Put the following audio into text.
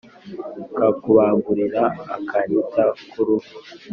Kakubagurira-Akanyita k'uruhu.